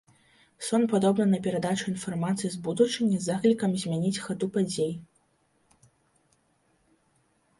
Сон падобны на перадачу інфармацыі з будучыні з заклікам змяніць хаду падзей.